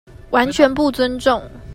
完全不尊重